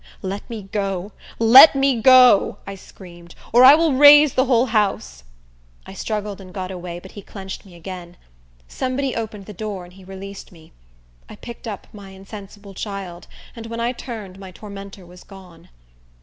"Let me go! Let me go!" I screamed, "or I will raise the whole house." I struggled and got away; but he clinched me again. Somebody opened the door, and he released me. I picked up my insensible child, and when I turned my tormentor was gone.